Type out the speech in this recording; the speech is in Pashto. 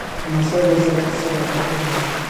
لمسی له زړښت سره ادب کوي.